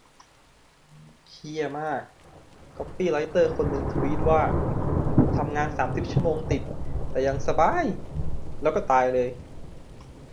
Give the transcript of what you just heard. เชี่ยมาก ก๊อปปี้ไรเตอร์คนนึงทวีตว่า 'ทำงานสามสิบชั่วโมงติด แต่ยังสบ๊าย !' แล้วก็ตายเลย